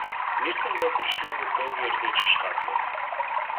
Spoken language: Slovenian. Mislim, da je prišla v dolgi rdeči škatli.